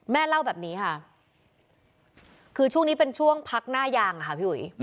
แม่เล่าแบบนี้ค่ะคือช่วงนี้เป็นช่วงพักหน้ายางอะค่ะพี่อุ๋ย